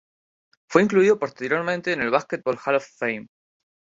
Fue incluido posteriormente en el Basketball Hall of Fame.